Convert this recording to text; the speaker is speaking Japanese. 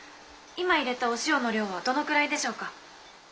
今入れたお塩の量はどのくらいでしょうか？